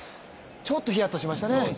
ちょっとヒヤッとしましたね。